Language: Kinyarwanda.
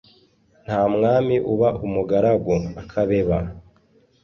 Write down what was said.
Nta mwami uba umugaragu (akabeba).